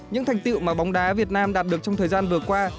những thành tiệu mà bóng đá việt nam đạt được trong thời gian vừa qua